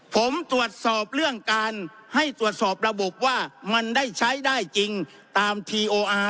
ผมตรวจสอบเรื่องการให้ตรวจสอบระบบว่ามันได้ใช้ได้จริงตามทีโออาร์